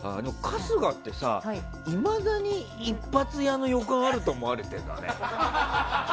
春日ってさ、いまだに一発屋の予感あると思われてるんだね。